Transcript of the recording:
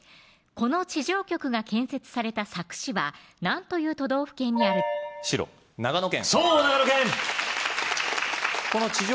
この地上局が建設された佐久市は何という都道府県にあるでしょう